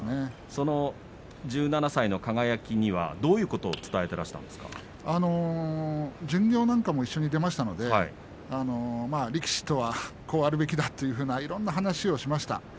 その１７歳の輝にはどういうことを巡業なんかも一緒に出ましたので力士とはこうあるべきだというようないろいろな話をしました。